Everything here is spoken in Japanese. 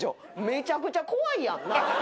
めちゃくちゃ怖いやん。